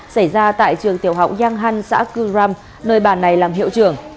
xảy ra tại trường tiểu học giang hàn xã cư đram nơi bà này làm hiệu trưởng